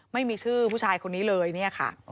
ไม่มีชื่อผู้ชายคนนี้เลยเนี่ยค่ะ